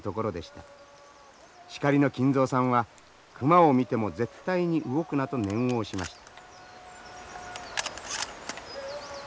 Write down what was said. シカリの金蔵さんは熊を見ても絶対に動くなと念を押しました。